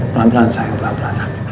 pelan pelan saya pelan pelan